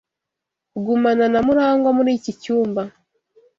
Gumana na Murangwa muri iki cyumba.